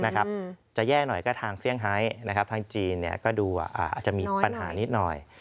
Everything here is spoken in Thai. จะแย่หน่อยก็ทางเฟี่ยงไฮทางจีนก็ดูอาจจะมีปัญหานิดหน่อย